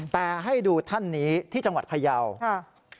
แต่ให้ดูท่านนี้ที่จังหวัดพยาวค่ะ